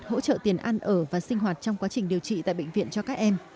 hỗ trợ tiền ăn ở và sinh hoạt trong quá trình điều trị tại bệnh viện cho các em